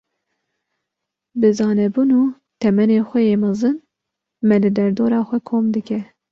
Bi zanebûn û temenê xwe yê mezin, me li derdora xwe kom dike.